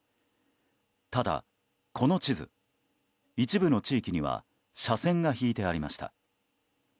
ただ、この地図一部の地域には斜線が引いてありました。